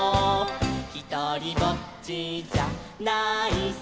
「ひとりぼっちじゃないさ」